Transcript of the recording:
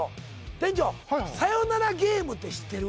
店長「さよならゲーム」って知ってる？